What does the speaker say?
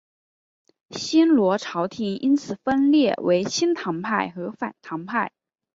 新罗朝延因此分裂为亲唐派和反唐派。